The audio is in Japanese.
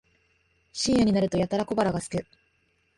深夜になるとやたら小腹がすく